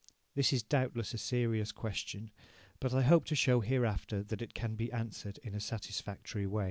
This is doubtless a serious question, but I hope to show hereafter that it can be answered in a satisfactory way.